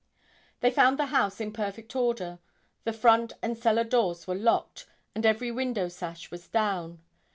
They found the house in perfect order. The front and cellar doors were locked; and every window sash was down.